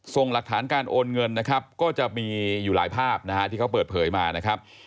ส่งหลักฐานการโอนเงินนะครับก็จะมีอยู่หลายภาพนะฮะที่เขาเปิดเผยมานะครับ